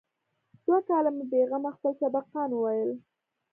دوه کاله مې بې غمه خپل سبقان وويل.